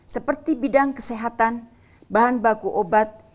seperti bidang kesehatan bahan baku obat